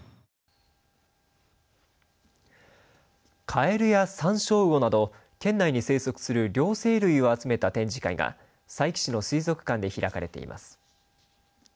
かえるやサンショウウオなど県内に生息する両生類を集めた展示会が佐伯市の水族館で開かれています。